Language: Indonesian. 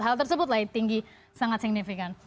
hal tersebut lah yang tinggi sangat signifikan